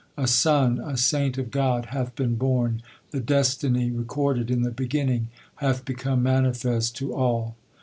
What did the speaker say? A son, a saint of God hath been born, The destiny recorded in the beginning hath become mani fest to all.